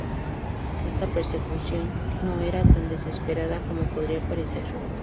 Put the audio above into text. Esta persecución no era tan desesperada como podría parecer.